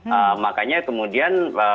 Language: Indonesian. ada dalam komunikasi itu dikenal konsep apa namanya